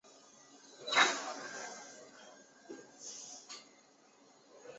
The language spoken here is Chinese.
这些政策一定程度的缓解了汉瑶矛盾。